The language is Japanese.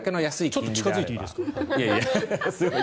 ちょっと近付いていいですか？